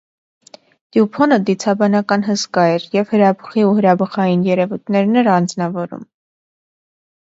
Տյուփոնը դիցաբանական հսկա էր և հրաբխի ու հրաբխային երևույթներն էր անձնավորում։